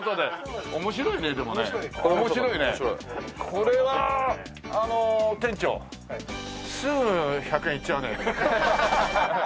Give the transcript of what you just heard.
これはあの店長すぐ１００円いっちゃうね。